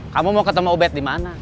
kamu mau ketemu umbet dimana